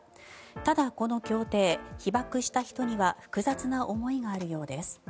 ただ、この協定被爆した人には複雑な思いがあるようです。